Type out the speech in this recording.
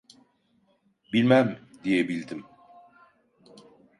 "Bilmem!" diyebildim.